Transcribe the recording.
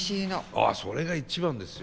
ああそれが一番ですよ。